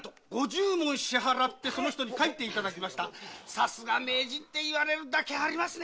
さすが名人っていわれるだけありますね！